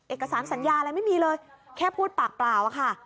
เอกสารสัญญาอะไรไม่มีเลยแค่พูดปากเปล่าอะค่ะ